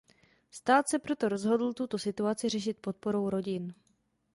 Stát se proto rozhodl tuto situaci řešit podporou rodin.